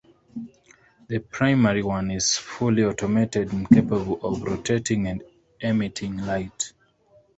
The primary one is fully automated and capable of rotating and emitting light.